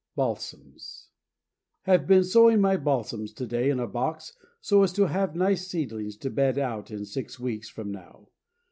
Have been sowing my Balsams to day in a box, so as to have nice seedlings to bed out in six weeks from now.